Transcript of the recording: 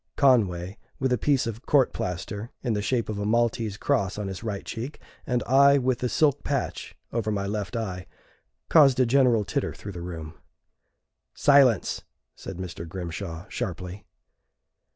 Conway, with a piece of court plaster in the shape of a Maltese cross on his right cheek, and I with the silk patch over my left eye, caused a general titter through the room. "Silence!" said Mr. Grimshaw, sharply.